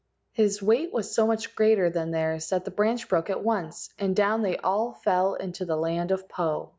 His weight was so much greater than theirs that the branch broke at once, and down they all fell into the land of Po.